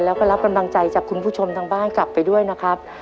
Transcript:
แล้วก็รับกำลังใจจากคุณผู้ชมทางบ้านกลับไปด้วยนะครับ